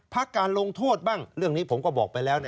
พักการลงโทษบ้างเรื่องนี้ผมก็บอกไปแล้วนะ